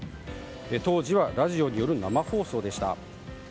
当時はラジオによる生放送でした。